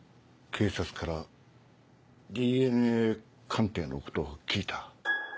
警察からＤＮＡ鑑定のことを聞いた。